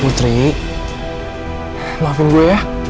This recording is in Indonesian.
putri maafin gue ya